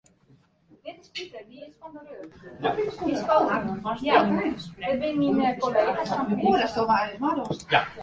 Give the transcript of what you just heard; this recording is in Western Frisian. It is gjin doel op himsels.